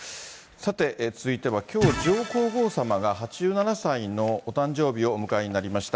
さて、続いては、きょう、上皇后さまが８７歳のお誕生日をお迎えになりました。